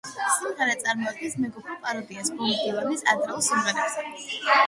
სიმღერა წარმოადგენს მეგობრულ პაროდიას ბობ დილანის ადრეულ სიმღერებზე.